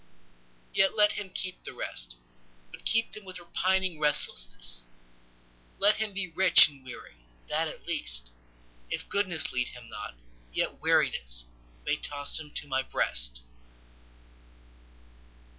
Yet let him keep the rest, But keep them with repining restlessness; Let him be rich and weary, that at least, If goodness lead him not, yet wearinessMay toss him to My breast.